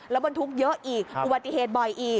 แล้วบรรทุกเยอะอีกอุบัติเหตุบ่อยอีก